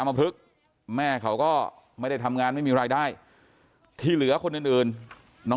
มพลึกแม่เขาก็ไม่ได้ทำงานไม่มีรายได้ที่เหลือคนอื่นน้อง